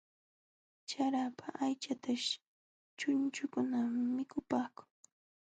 Charapa aychataśh chunchukuna mikupaakun.